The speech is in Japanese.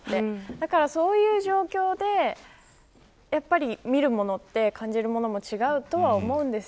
だから、そういう状況で見るもの、感じるものも違うと思います。